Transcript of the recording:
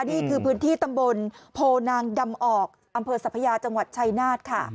นี่คือพื้นที่ตำบลโพนางดำออกอำเภอสัพยาจังหวัดชัยนาธค่ะ